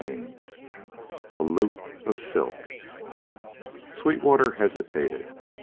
XIV A LOOP OF SILK Sweetwater hesitated.